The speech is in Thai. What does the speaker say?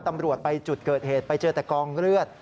ตำรวจไปจุดเกิดเหตุไปเจอแต่กองเลือด